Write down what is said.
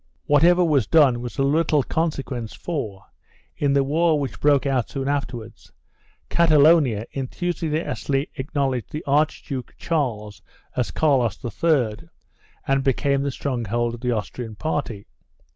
3 Whatever was done was of little consequence for, in the war which broke out soon afterwards, Catalonia enthu siastically acknowledged the Archduke Charles as Carlos III and became the stronghold of the Austrian party.